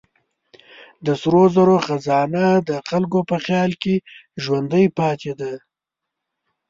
د سرو زرو خزانه د خلکو په خیال کې ژوندۍ پاتې ده.